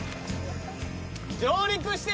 上陸して。